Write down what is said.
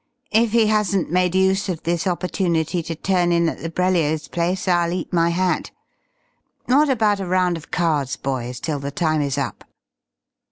If he hasn't made use of this opportunity to turn in at the Brelliers' place, I'll eat my hat. What about a round of cards, boys, till the time is up?"